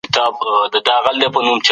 الله دې موږ ټولو ته توفيق راکړي.